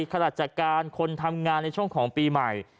ราชการคนทำงานในช่วงของปีใหม่